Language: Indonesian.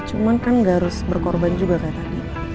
cuman kan gak harus berkorban juga kayak tadi